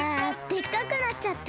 でっかくなっちゃった！